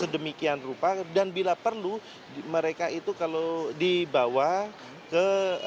dan bila perlu mereka itu kalau dibawa ke